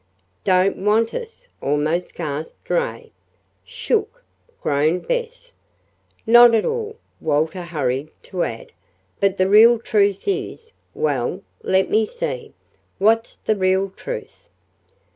"Don't want us!" almost gasped Ray. "Shook!" groaned Bess. "Not at all," Walter hurried to add, "but the real truth is well, let me see. What's the real truth?"